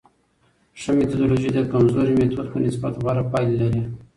ښه میتودولوژي د کمزوري میتود په نسبت غوره پایلي لري.